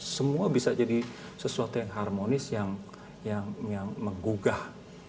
semua bisa jadi sesuatu yang harmonis yang menggugah